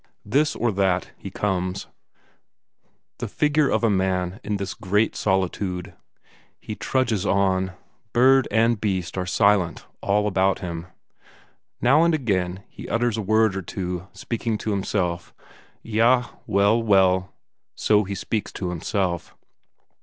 This or that, he comes; the figure of a man in this great solitude. He trudges on; bird and beast are silent all about him; now and again he utters a word or two; speaking to himself. "Eyah well, well...." so he speaks to himself.